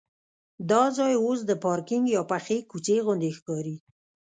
دا ځای اوس د پارکینک یا پخې کوڅې غوندې ښکاري.